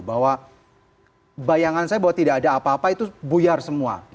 bahwa bayangan saya bahwa tidak ada apa apa itu buyar semua